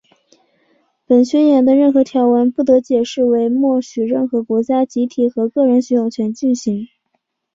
本宣言的任何条文,不得解释为默许任何国家、集团或个人有权进行任何旨在破坏本宣言所载的任何权利和自由的活动或行为。